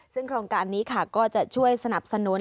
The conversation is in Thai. ซึ่งโครงการนี้ค่ะก็จะช่วยสนับสนุน